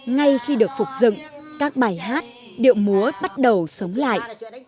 ngay khi được phục dựng các bài hát điệu múa bắt đầu sống lại